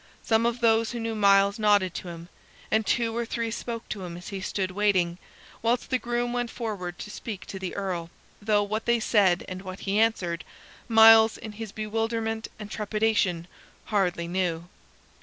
Some of those who knew Myles nodded to him, and two or three spoke to him as he stood waiting, whilst the groom went forward to speak to the Earl; though what they said and what he answered, Myles, in his bewilderment and trepidation, hardly knew.